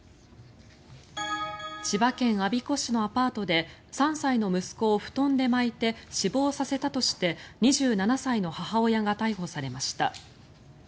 千葉県我孫子市のアパートで３歳の息子を布団で巻いて死亡させたとして２７歳の母親が逮捕されました。